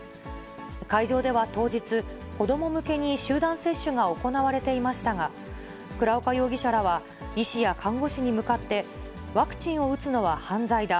会場では当日、子ども向けに集団接種が行われていましたが、倉岡容疑者らは、医師や看護師に向かって、ワクチンを打つのは犯罪だ。